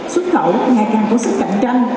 xuất khẩu ngày càng có sức cạnh tranh